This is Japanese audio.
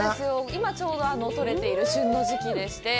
今、ちょうど取れている旬の時期でして。